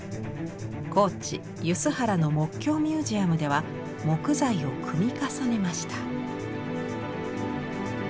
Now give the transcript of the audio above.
高知・梼原の木橋ミュージアムでは木材を組み重ねました。